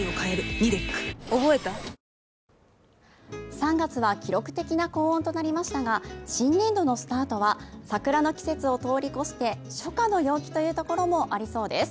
３月は記録的な高温となりましたが新年度のスタートは、桜の季節を通り越して初夏の陽気という所もありそうです。